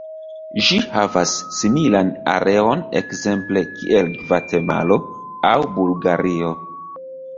Ĝi havas similan areon ekzemple kiel Gvatemalo aŭ Bulgario.